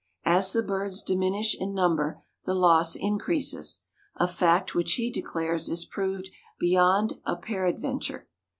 As the birds diminish in number, the loss increases, a fact which he declares is proved beyond a peradventure.